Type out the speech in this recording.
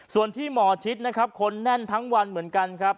ส่วนที่หมอชิดนะครับคนแน่นทั้งวันเหมือนกันครับ